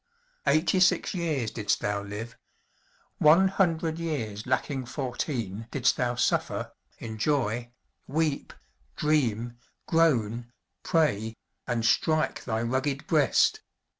Eighty six years didst thou live. One hundred years lacking fourteen didst thou suffer, enjoy, weep, dream, groan, pray and strike thy rugged breast!